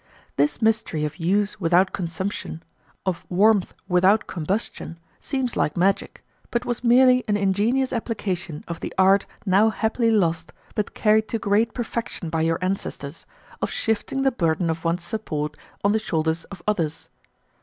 This mystery of use without consumption, of warmth without combustion, seems like magic, but was merely an ingenious application of the art now happily lost but carried to great perfection by your ancestors, of shifting the burden of one's support on the shoulders of others.